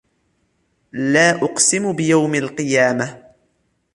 لا أُقْسِمُ بِيَوْمِ الْقِيَامَةِ